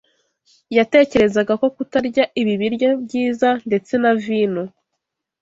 yatekerezaga ko kutarya ibi biryo byiza ndetse na vino